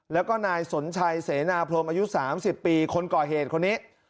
แล้วก็นายสนชัยเสนาพรมอายุ๓๐ปีคนก่อเหตุคนนี้